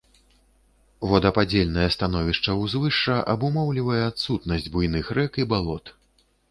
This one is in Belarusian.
Водападзельнае становішча ўзвышша абумоўлівае адсутнасць буйных рэк і балот.